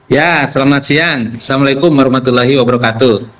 ya selamat siang assalamualaikum warahmatullahi wabarakatuh